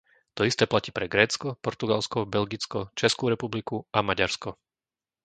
To isté platí pre Grécko, Portugalsko, Belgicko, Českú republiku a Maďarsko.